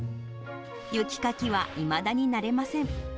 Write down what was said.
雪かきはいまだになれません。